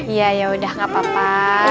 iya yaudah nggak papa